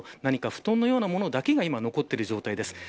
布団のようなものだけが今、残っている状態です。